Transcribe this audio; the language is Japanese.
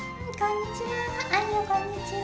こんにちは。